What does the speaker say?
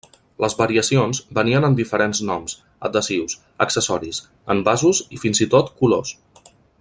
Les variacions venien en diferents noms, adhesius, accessoris, envasos i fins i tot colors.